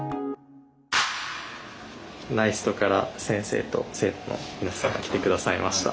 ＮＡＩＳＴから先生と生徒の皆さんが来て下さいました。